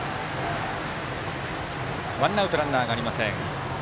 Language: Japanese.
ワンアウトランナーがありません。